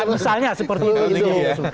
misalnya seperti itu